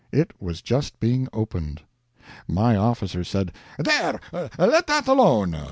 It was just being opened. My officer said: "There, let that alone!